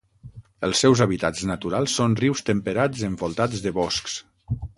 Els seus hàbitats naturals són rius temperats envoltats de boscs.